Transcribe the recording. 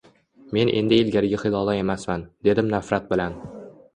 Men endi ilgarigi Hilola emasman, dedim nafrat bilan